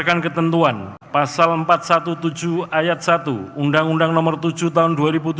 berdasarkan ketentuan pasal empat ratus tujuh belas ayat satu undang undang nomor tujuh tahun dua ribu tujuh belas